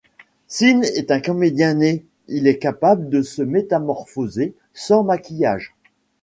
Sean est un comédien-né, il est capable de se métamorphoser sans maquillage.